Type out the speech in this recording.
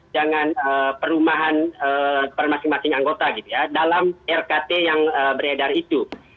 jangan perumahan masing masing anggota gitu ya dalam rkt yang beredar itu